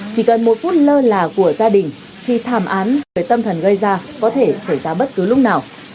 chỉ cần một phút lơ là của gia đình khi thảm án về tâm thần gây ra có thể xảy ra bất cứ lúc nào